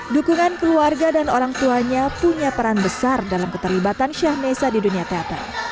dukungan keluarga dan orang tuanya punya peran besar dalam keterlibatan syahnesa di dunia teater